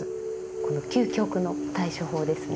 この究極の対処法ですね。